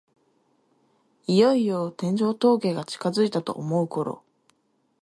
いよいよ天城峠が近づいたと思うころ